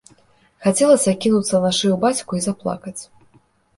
Хацелася кінуцца на шыю бацьку і заплакаць.